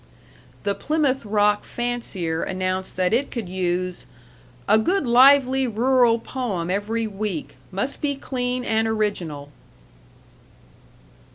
The Plymouth Rock Fancier announced that it could use "a good, lively rural poem every week; must be clean and original."